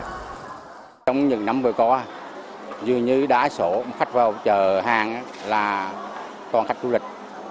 trong những năm vừa qua dường như đá sổ khách vào chợ hàng là con khách du lịch